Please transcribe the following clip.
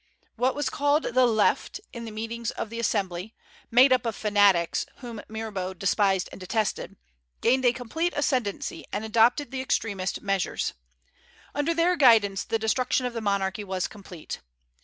What was called the "Left," in the meetings of the Assembly, made up of fanatics whom Mirabeau despised and detested, gained a complete ascendency and adopted the extremest measures. Under their guidance, the destruction of the monarchy was complete.